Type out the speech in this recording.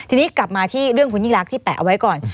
ทีนี้กลับมาที่เรื่องคุณยิ่งรักที่แปะเอาไว้ก่อน